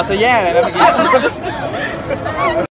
ใช่